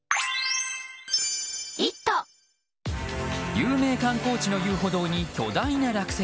有名観光地の遊歩道に巨大な落石。